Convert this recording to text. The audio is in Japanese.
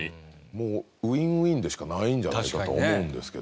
もうウィンウィンでしかないんじゃないかと思うんですけど。